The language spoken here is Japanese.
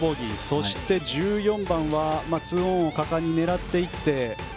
そして１４番は２オンを果敢に狙っていって。